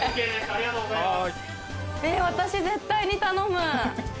ありがとうございます。